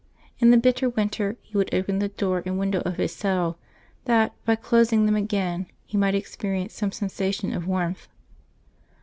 In the bitter win ter he would open the door and window of his cell that, by closing them again, he might experience some sensation of warmth.